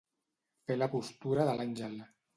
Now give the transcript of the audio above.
Fer la postura de l'àngel.